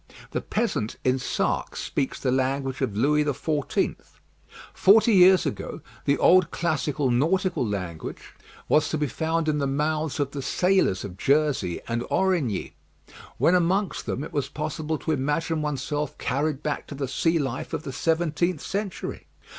The peasant in Sark speaks the language of Louis XIV. Forty years ago, the old classical nautical language was to be found in the mouths of the sailors of Jersey and Aurigny. When amongst them, it was possible to imagine oneself carried back to the sea life of the seventeenth century.